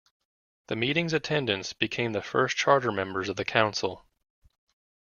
The meeting's attendants became the first charter members of the Council.